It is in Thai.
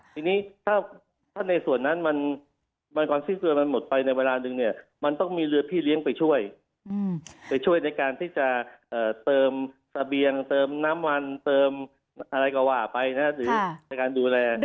ทีนี้ถ้าในส่วนนั้นมันความสิ้นเรือมันหมดไปในเวลานึงเนี่ยมันต้องมีเรือพี่เลี้ยงไปช่วยไปช่วยในการที่จะเติมเสบียงเติมน้ำมันเติมอะไรก็ว่าไปนะหรือในการดูแล